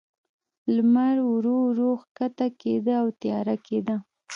لمر ورو، ورو کښته کېده، او تیاره کېده.